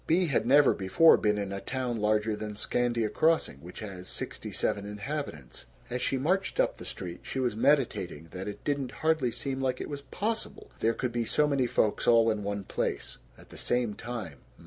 Bea had never before been in a town larger than Scandia Crossing, which has sixty seven inhabitants. As she marched up the street she was meditating that it didn't hardly seem like it was possible there could be so many folks all in one place at the same time.